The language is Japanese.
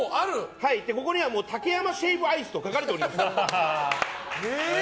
ここには竹山シェイブアイスと書かれておりました。